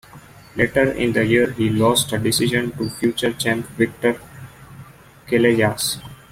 Later in the year he lost a decision to future champ Victor Callejas.